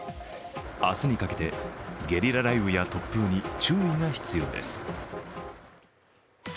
明日にかけてゲリラ雷雨や突風に注意が必要です。